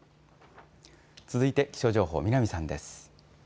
続いて気象情報、南さんです。